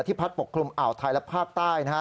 พัดปกคลุมอ่าวไทยและภาคใต้